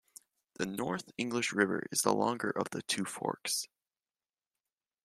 The North English River is the longer of the two forks.